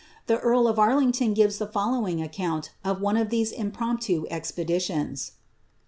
The eari of Arlington gives the following account of one of these imprompts expeditions.